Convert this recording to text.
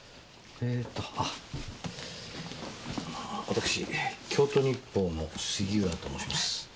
私京都日報の杉浦と申します。